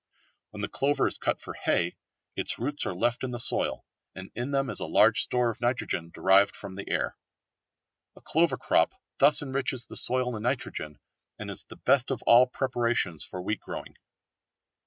When the clover is cut for hay, its roots are left in the soil, and in them is a large store of nitrogen derived from the air. A clover crop thus enriches the soil in nitrogen and is the best of all preparations for wheat growing.